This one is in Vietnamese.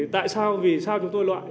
tại sao vì sao chúng tôi loại